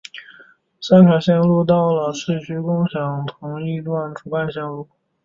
三条线路到了市区共享同一段主干线路。